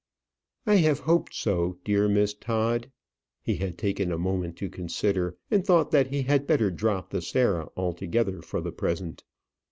"I have hoped so, dear Miss Todd" he had taken a moment to consider, and thought that he had better drop the Sarah altogether for the present.